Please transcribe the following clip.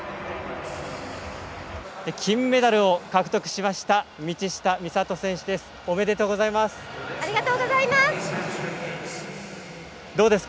金メダルを獲得しました道下美里選手です。